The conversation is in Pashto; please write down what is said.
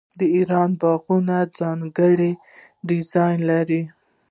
د ایران باغونه ځانګړی ډیزاین لري.